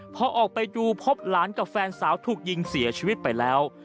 พอออกไปดูพบหลานกับแฟนสาวถูกยิงเสียชีวิตไปแล้ว